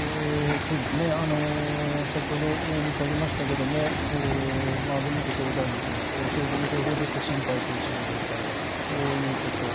先ほど申し上げましたけれども、安倍元総理大臣、消防の情報ですと、心肺停止の状態だということ。